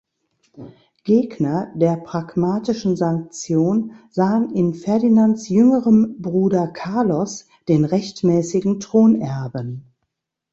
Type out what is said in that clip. Gegner der Pragmatischen Sanktion sahen in Ferdinands jüngerem Bruder Carlos den rechtmäßigen Thronerben.